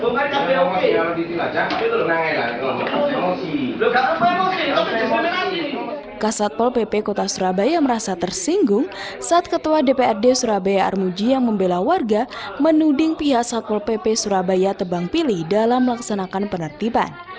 kasatpol pp kota surabaya merasa tersinggung saat ketua dprd surabaya armuji yang membela warga menuding pihak satpol pp surabaya tebang pilih dalam melaksanakan penertiban